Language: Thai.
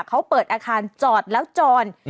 เขาเปิดอาคารจอดแล้วจร